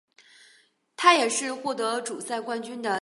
他也是获得主赛冠军的第一个德国人。